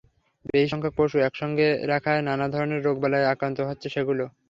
বেশি সংখ্যক পশু একসঙ্গে রাখায় নানা ধরনের রোগবালাইয়ে আক্রান্ত হচ্ছে সেগুলো।